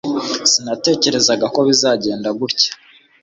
Sinatekerezaga ko bizagenda gutya